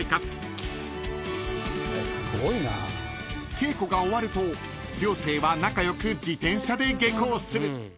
［稽古が終わると寮生は仲良く自転車で下校する］